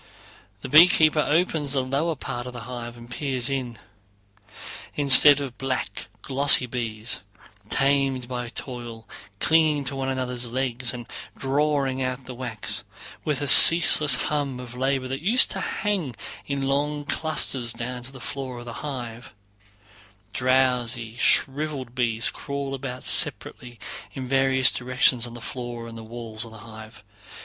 The beekeeper opens the lower part of the hive and peers in. Instead of black, glossy bees—tamed by toil, clinging to one another's legs and drawing out the wax, with a ceaseless hum of labor—that used to hang in long clusters down to the floor of the hive, drowsy shriveled bees crawl about separately in various directions on the floor and walls of the hive.